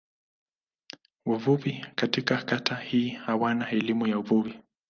Wavuvi katika kata hii hawana elimu ya uvuvi.